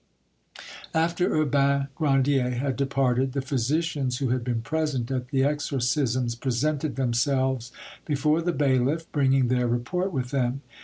After Urbain Grandier had departed, the physicians who had been present at the exorcisms presented themselves before the bailiff, bringing their report with them.